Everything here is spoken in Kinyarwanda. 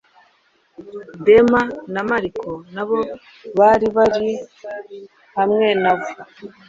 Dema na Mariko nabo bari bari hamwe na we.